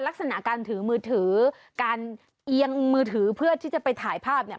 ลักษณะการถือมือถือการเอียงมือถือเพื่อที่จะไปถ่ายภาพเนี่ย